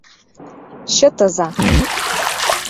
Чытыза